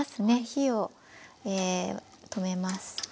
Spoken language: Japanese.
火を止めます。